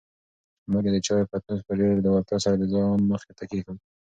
مور یې د چایو پتنوس په ډېرې لېوالتیا سره د ځان مخې ته کېښود.